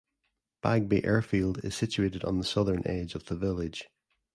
Bagby Airfield is situated on the southern edge of the village.